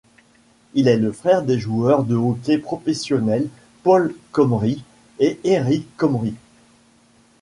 Il est le frère des joueurs de hockey professionnels Paul Comrie et Eric Comrie.